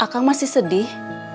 kang masih sedih